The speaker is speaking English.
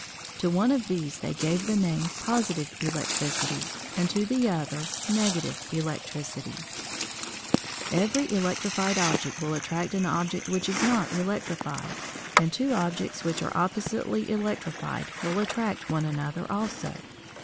To one of these they gave the name positive electricity, and to the other negative electricity. Every electrified object will attract an object which is not electrified, and two objects which are oppositely electrified will attract one another also.